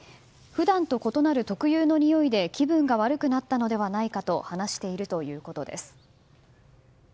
普段と異なる特有のにおいで気分が悪くなったのではないかと話しているということです。